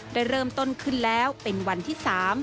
ได้เริ่มต้นขึ้นแล้วเป็นวันที่๓